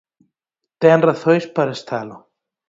Ten razóns para estalo.